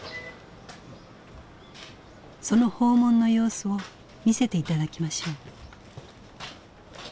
その訪問の様子を見せて頂きましょう。